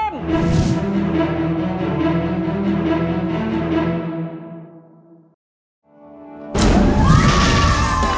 ทีมที่ชนะ